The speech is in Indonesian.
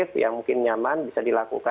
brand itu tidak ada